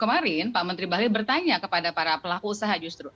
kemarin pak menteri bahlil bertanya kepada para pelaku usaha justru